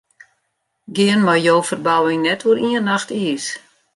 Gean mei jo ferbouwing net oer ien nacht iis.